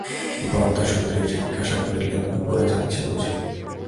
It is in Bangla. বরদাসুন্দরী জিজ্ঞাসা করিলেন, উপরে যাচ্ছেন বুঝি?